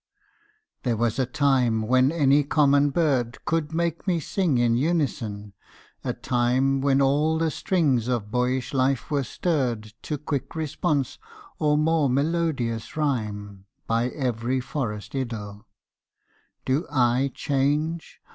There was a time when any common bird Could make me sing in unison, a time When all the strings of boyish life were stirred To quick response or more melodious rhyme By every forest idyll;—do I change?